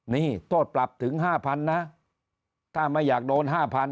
นี่โทษปรับถึง๕๐๐๐นะถ้าไม่อยากโดน๕๐๐๐